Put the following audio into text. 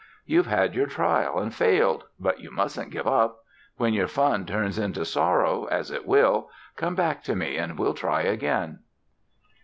You've had your trial and failed, but you mustn't give up. When your fun turns into sorrow, as it will, come back to me and we'll try again."